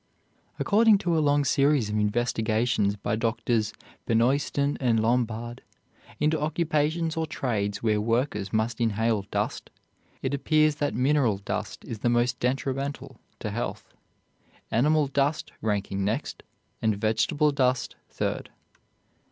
According to a long series of investigations by Drs. Benoysten and Lombard into occupations or trades where workers must inhale dust, it appears that mineral dust is the most detrimental to health, animal dust ranking next, and vegetable dust third.